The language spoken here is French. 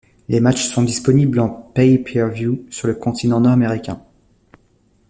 Les matchs sont disponibles en pay-per-view sur le continent nord-américain.